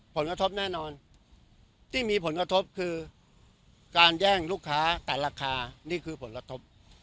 ผลกระทบแน่นอนที่มีผลกระทบคือการแย่งลูกค้าแต่ราคานี่คือผลกระทบ